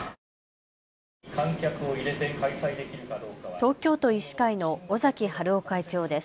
東京都医師会の尾崎治夫会長です。